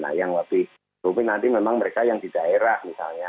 nah yang lebih rumit nanti memang mereka yang di daerah misalnya